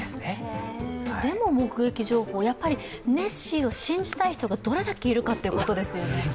でも目撃情報、やっぱりネッシーを信じたい人がどれだけいるかっていうことですよね。